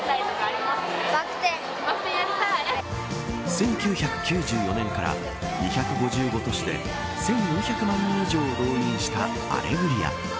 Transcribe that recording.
１９９４年から２５５都市で１４００万人以上を動員したアレグリア。